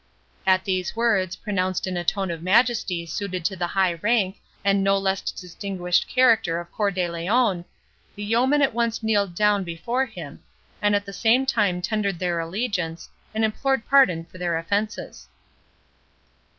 At these words, pronounced in a tone of majesty suited to the high rank, and no less distinguished character of Cœur de Lion, the yeomen at once kneeled down before him, and at the same time tendered their allegiance, and implored pardon for their offences.